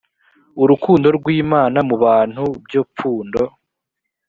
urukundo rw imana mu bantu byo pfundo